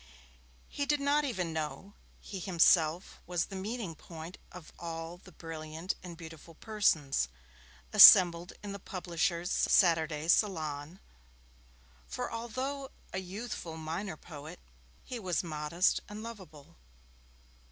He did not even know he was himself the meeting point of all the brilliant and beautiful persons, assembled in the publisher's Saturday Salon, for although a youthful minor poet, he was modest and lovable.